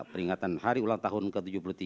peringatan hari ulang tahun ke tujuh puluh tiga